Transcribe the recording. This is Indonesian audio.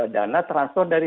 dana transfer dari